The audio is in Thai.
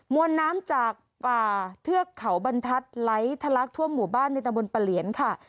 วนน้ำจากป่าเทือกเขาบรรทัศน์ไหลทะลักทั่วหมู่บ้านในตะบนปะเหลียนค่ะ